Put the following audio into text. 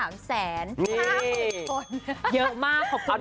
เยอะมากขอบคุณมากค่ะ